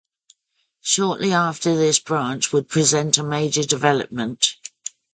Shortly after this branch would present a major development.